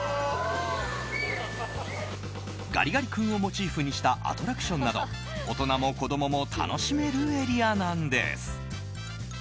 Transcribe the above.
ガリガリ君をモチーフにしたアトラクションなど大人も子供も楽しめるエリアなんです。